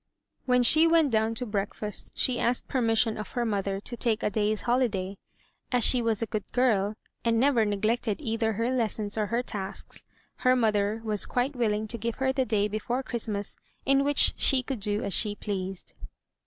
When she went down to breakfast she asked permission of her mother to take a day's holiday. As she was a good girl, and never neglected either her lessons or her tasks, her mother was quite willing to give her the day before Christmas in which she could do as she pleased.